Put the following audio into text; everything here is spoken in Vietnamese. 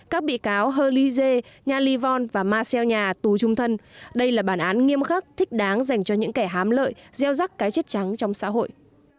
các bị cáo he ly dê nha ly von và marcel nhà tù chung thân đây là bản án nghiêm khắc thích đáng dành cho những kẻ hám lợi gieo rắc cái chất trắng trong xã hội